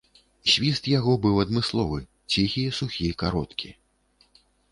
Свіст яго быў адмысловы, ціхі, сухі, кароткі.